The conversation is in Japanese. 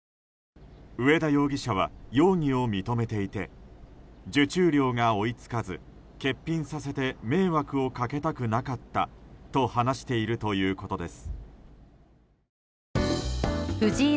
上田容疑者は容疑を認めていて受注量が追い付かず欠品させて迷惑をかけたくなかったと話しているということです。